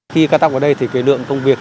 khi cắt tóc ở đây thì cái lượng công việc